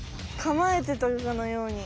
かまえてたかのように。